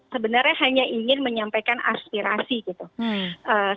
sebenarnya hanya ingin menyampaikan aspirasi gitu